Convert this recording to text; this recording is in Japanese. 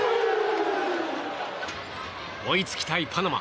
追いつきたいパナマ。